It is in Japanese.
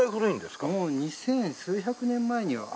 もう二千数百年前には。